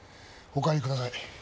お帰りください。